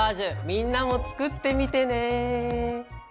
みんなも作ってみてね！